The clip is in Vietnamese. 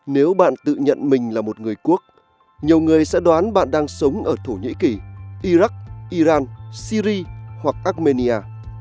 nếu bạn tự nhận mình là một người quốc nhiều người sẽ đoán bạn đang sống ở thổ nhĩ kỳ iraq iran syri hoặc armenia